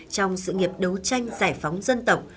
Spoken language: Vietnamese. trong sự nghiệp đấu tranh giải phóng dân tộc